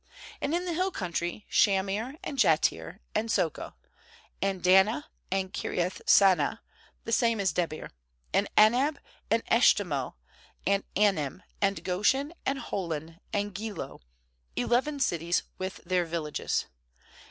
48And in the hill country: Shamir, and Jattir, and Socoh; 49and Dannah, and Kiriath sann ah — the same is De bir; Mand Anab, and Eshtemoh, and Anim; 61and Gpshen, and Holon, and Giloh; eleven cities with their villages.